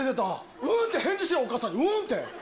うんって返事しろ、お母さんに、うんって。